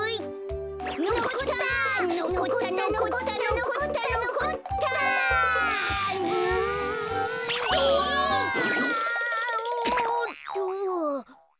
おっと。